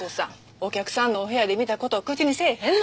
お客さんのお部屋で見た事を口にせえへんの。